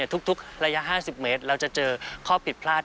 ทุกระยะ๕๐เมตรเราจะเจอข้อผิดพลาด